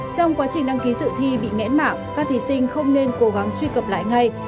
trong quá trình đăng ký sự thi bị ngẽn mạng các thí sinh không nên cố gắng truy cập lại ngay